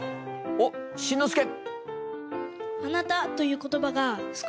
おっしんのすけ。